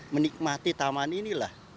menikmati taman ini lah